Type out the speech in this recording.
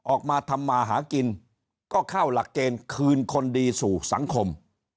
ออกมาทำมาหากินก็เข้าหลักเกณฑ์คืนคนดีสู่สังคม